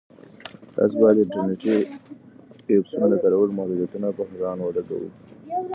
تاسو باید د انټرنیټي ایپسونو د کارولو محدودیتونه په ځان ولګوئ.